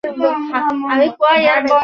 চামড়ার নিচের শিরা নীল হয়ে ফুলে উঠেছে।